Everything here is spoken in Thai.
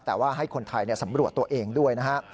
แต่ว่าให้คนไทยสำรวจตัวเองด้วยนะฮะ